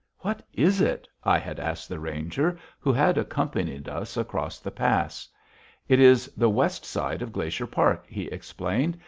"What is it?" I had asked the ranger who had accompanied us across the pass. "It is the west side of Glacier Park," he explained.